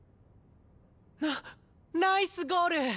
ナナイスゴール！